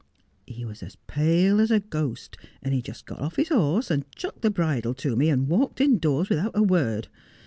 He was as pale as a ghost, and he just got off his horse, and chucked the bridle to me, and walked indoors without a word.